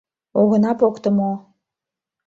— Огына покто мо?!